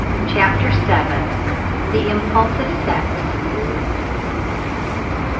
CHAPTER VII. THE IMPULSIVE SEX.